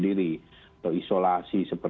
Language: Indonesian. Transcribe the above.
dan kita bukanlah negara yang menutup diri